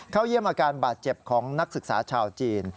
เยี่ยมอาการบาดเจ็บของนักศึกษาชาวจีน